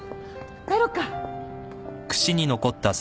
帰ろっか。